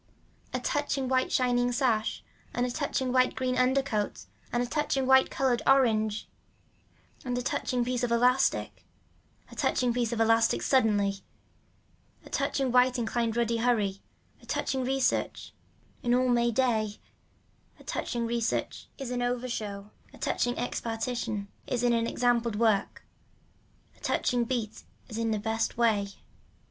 A touching white shining sash and a touching white green undercoat and a touching white colored orange and a touching piece of elastic. A touching piece of elastic suddenly. A touching white inlined ruddy hurry, a touching research in all may day. A touching research is an over show. A touching expartition is in an example of work, a touching beat is in the best way.